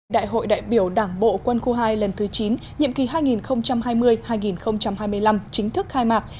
đại hội đại biểu đảng bộ quân khu hai lần thứ chín nhiệm kỳ hai nghìn hai mươi hai nghìn hai mươi năm chính thức khai mạc